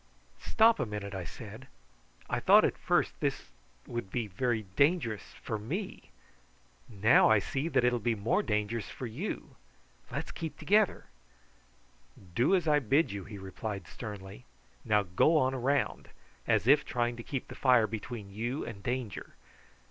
"Stop a moment," I said. "I thought at first that it would be very dangerous for me; now I see that it will be more dangerous for you. Let's keep together." "Do as I bid you," he replied sternly. "Now go on round, as if trying to keep the fire between you and danger.